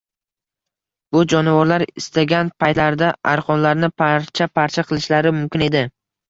Bu jonivorlar istagan paytlarida arqonlarni parcha-parcha qilishlari mumkin edi.